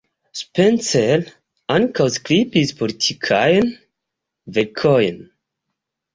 Spencer ankaŭ skribis politikajn verkojn.